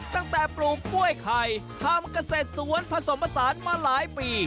ตั้งแต่ปลูกกล้วยไข่ทำเกษตรสวนผสมศาลมาหลายปี